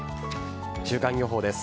週間予報です。